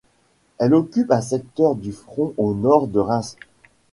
Elle occupe un secteur du front au nord de Reims.